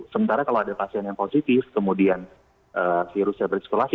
sementara kalau ada pasien yang positif kemudian virusnya beriskolasi